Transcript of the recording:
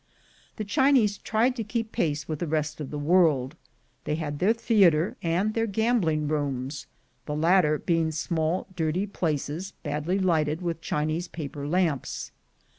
The Chinese tried to keep pace with the rest of the world. They had their theatre and their gambling rooms, the latter being small dirty places, badly lighted with Chinese paper lamps.